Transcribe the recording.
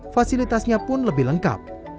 fasilitasnya pun lebih lengkap